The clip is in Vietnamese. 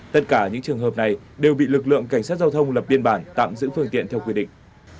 tất cả những trường hợp này đều bị lực lượng cảnh sát giao thông lập biên bản tạm giữ phương tiện theo quy định